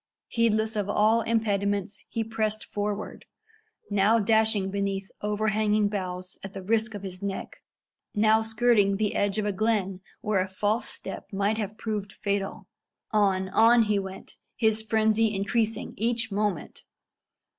Heedless of all impediments, he pressed forward now dashing beneath overhanging boughs at the risk of his neck now skirting the edge of a glen where a false step might have proved fatal. On on he went, his frenzy increasing each moment.